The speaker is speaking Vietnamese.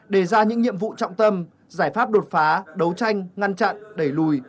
đề ra những nhiệm vụ trọng tâm giải pháp đột phá đấu tranh ngăn chặn đẩy lùi